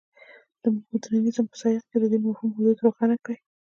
د مډرنیزم په سیاق کې د دې مفهوم حدود روښانه کړي.